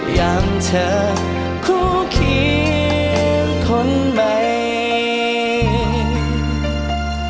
อย่างเธอคู่เคียงคนใหม่